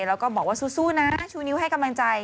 แล้วก็บอกว่าสู้นะชูนิ้วให้กำลังใจ